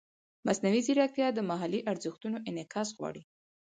مصنوعي ځیرکتیا د محلي ارزښتونو انعکاس غواړي.